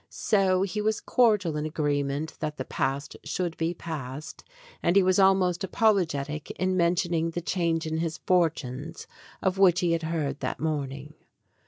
So he was cordial in agreement that the past should be past, and he was almost apologetic in mentioning the change in his fortunes of which he had heard that morning.